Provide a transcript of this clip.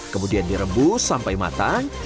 kemudian direbus sampai matang